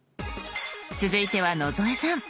続いては野添さん。